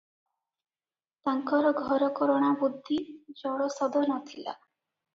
ତାଙ୍କର ଘରକରଣା ବୁଦ୍ଧି ଜଡ଼ସଦ ନ ଥିଲା ।